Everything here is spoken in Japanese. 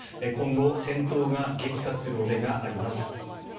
今後、戦闘が激化する恐れがあります。